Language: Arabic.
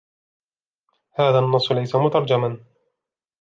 هذا النص ليس مترجما.